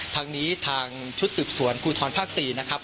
ทางนี้ทางชุดสืบสวนภูทรภาค๔นะครับ